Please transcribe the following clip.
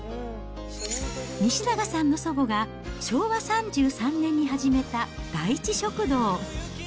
西永さんの祖母が昭和３３年に始めた第一食堂。